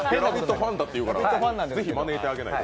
ファンだっていうから、ぜひ招いてあげないと。